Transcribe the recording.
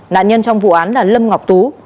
nạn nhân trong vụ án là lâm ngọc tú